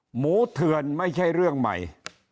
เถื่อนไม่ใช่เรื่องใหม่